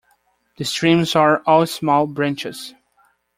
The streams are all small branches.